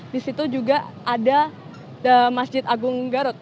disitu juga ada masjid agung garut